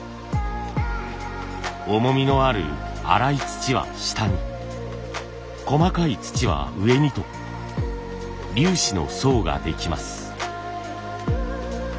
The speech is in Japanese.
重みのある粗い土は下に細かい土は上にと粒子の層ができます。